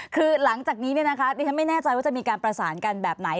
คือหลังจากนี้ดิฉันไม่แน่ใจว่าจะมีการประสานกันแบบไหน